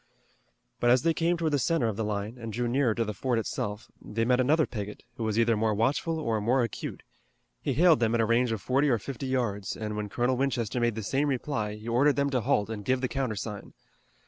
But as they came toward the center of the line, and drew nearer to the fort itself, they met another picket, who was either more watchful or more acute. He hailed them at a range of forty or fifty yards, and when Colonel Winchester made the same reply he ordered them to halt and give the countersign.